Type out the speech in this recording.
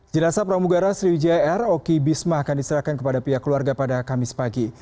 jenasa pramugara sriwijaya r oki bisma akan diserahkan kepada pihak keluarga pada kamis pagi